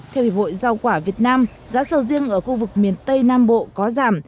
theo hiệp hội rau quả việt nam giá sầu riêng ở khu vực miền tây nam bộ có giảm